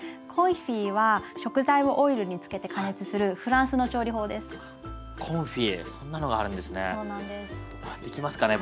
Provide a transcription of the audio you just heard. コンフィは食材をオイルに漬けて加熱するフランスの調理法です。